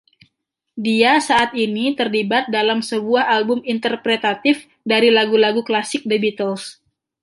Dia saat ini terlibat dalam sebuah album interpretatif dari lagu-lagu klasik the Beatles.